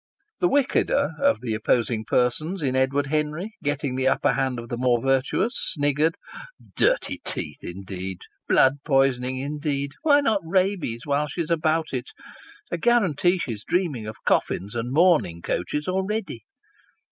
The wickeder of the opposing persons in Edward Henry, getting the upper hand of the more virtuous, sniggered. "Dirty teeth, indeed! Blood poisoning, indeed! Why not rabies, while she's about it? I guarantee she's dreaming of coffins and mourning coaches already!"